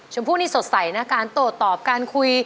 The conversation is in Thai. ชมพู่นี่สดใสนะการโตตอบการคุย